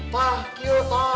pak kiu tak